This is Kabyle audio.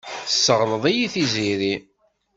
Tesseɣleḍ-iyi Tiziri.